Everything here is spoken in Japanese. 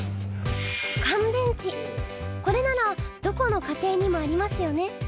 これならどこの家庭にもありますよね。